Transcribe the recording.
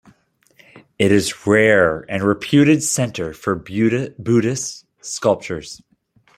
It is a rare and reputed center for Buddhist sculptures.